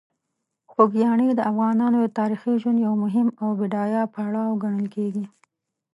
خوږیاڼي د افغانانو د تاریخي ژوند یو مهم او بډایه پړاو ګڼل کېږي.